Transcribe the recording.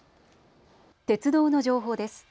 鉄道の情報です。